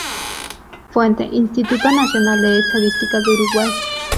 Fuente: "Instituto Nacional de Estadística de Uruguay"